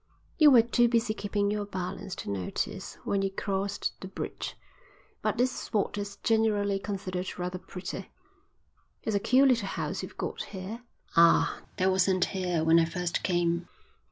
"You were too busy keeping your balance to notice, when you crossed the bridge, but this spot is generally considered rather pretty." "It's a cute little house you've got here." "Ah, that wasn't here when I first came.